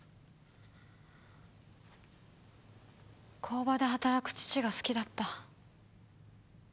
工場で働く父が好きだった。